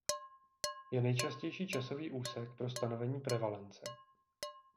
Je nejčastější časový úsek pro stanovení prevalence.